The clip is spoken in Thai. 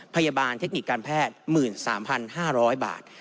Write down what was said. พยาบาลเทคนิคการแพทย์๑๓๕๐๐บาท